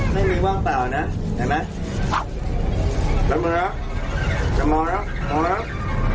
มันสามารถเอาสักสิบใบมะขามของผมได้ทุกผักเลยและเป็นตัวต่อจริงดูถูก